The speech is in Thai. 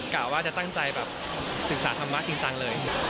กะว่าจะตั้งใจศึกษาธรรมดินจังเลย